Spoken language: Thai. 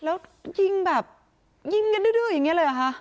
แล้วยิงแบบยิงกันดื้ออย่างนี้เลยเหรอคะ